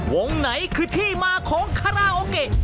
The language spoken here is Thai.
วงไหนคือที่มาของคาราโอเกะ